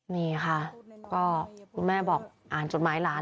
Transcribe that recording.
นี่ค่ะก็คุณแม่บอกอ่านจดหมายล้าน